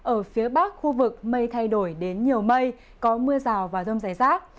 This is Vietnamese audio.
ở phía bắc khu vực mây thay đổi đến nhiều mây có mưa rào và rông dày rác